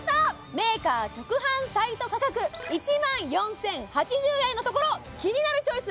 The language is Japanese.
メーカー直販サイト価格１万４０８０円のところ「キニナルチョイス」